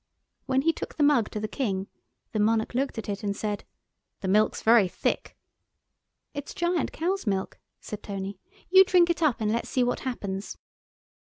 When he took the mug to the King the monarch looked at it, and said— "The milk's very thick." "It's giant cow's milk," said Tony, "you drink it up and let's see what happens."